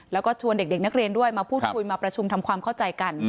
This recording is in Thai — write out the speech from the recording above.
แล้วก็ชวนเด็กนักเรียนด้วยมาพูดคุยมาประชุมทำความเข้าใจกัน